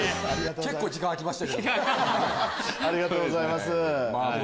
結構時間空きましたけども。